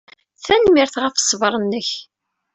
Tanemmirt ɣef ṣṣber-nnek.